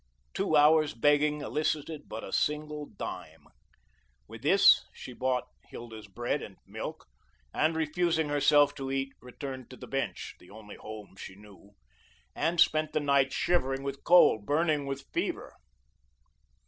Two hours' begging elicited but a single dime. With this, she bought Hilda's bread and milk, and refusing herself to eat, returned to the bench the only home she knew and spent the night shivering with cold, burning with fever.